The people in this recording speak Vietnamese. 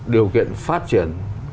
điều kiện phát triển